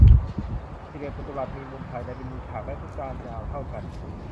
สี่เหลี่ยมจตุรัส มีมุมภายในเป็นมุมฉาก และทุกด้านยาวเท่ากัน